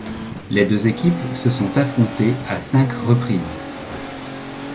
Les deux équipes se sont affrontées à cinq reprises.